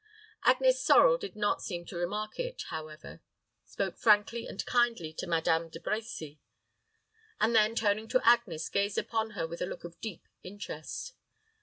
Agnes Sorel did not seem to remark it, however, spoke frankly and kindly to Madame De Brecy, and then, turning to Agnes, gazed upon her with a look of deep interest.